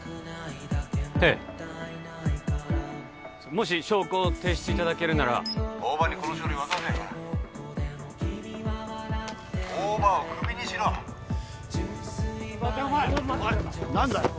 ええもし証拠を提出いただけるなら大庭にこの書類渡せほら大庭をクビにしろ何だよ